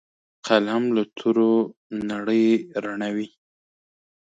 قلم له تورو نړۍ رڼوي